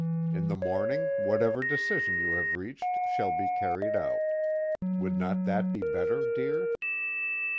In the morning, whatever decision you have reached shall be carried out. Would not that be better, dear?"